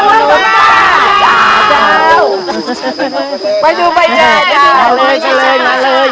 เดัวที่ไหน